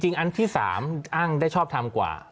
อันที่๓อ้างได้ชอบทำกว่า